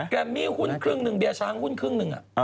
แมมมี่หุ้นครึ่งหนึ่งเบียร์ช้างหุ้นครึ่งหนึ่ง